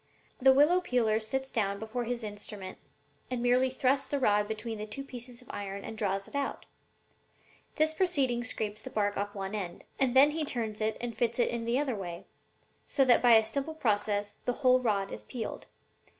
The willow peeler sits down before his instrument and merely thrusts the rod between the two pieces of iron and draws it out again. This proceeding scrapes the bark off one end, and then he turns it and fits it in the other way; so that by a simple process the whole rod is peeled.